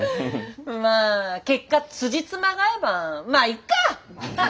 まあ結果つじつまが合えばまあいっか！